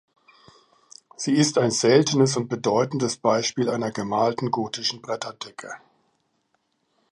Sie ist ein seltenes und bedeutendes Beispiel einer gemalten gotischen Bretterdecke.